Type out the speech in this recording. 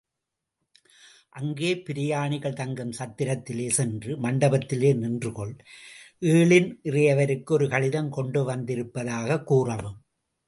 அங்கே பிரயாணிகள் தங்கும் சத்திரத்திலே சென்று, மண்டபத்திலே நின்றுகொள், ஏழின் இறையவருக்கு ஒரு கடிதம் கொண்டுவந்திருப்பதாகக் கூறவும்.